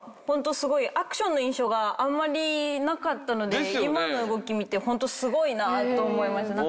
アクションの印象があんまりなかったので今の動き見てホントすごいなと思いました。